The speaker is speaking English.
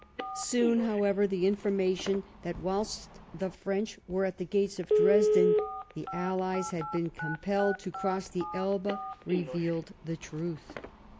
Soon, however, the information that whilst the French were at the gates of Dresden, the allies had been compelled to cross the Elbe, reveahid the truth.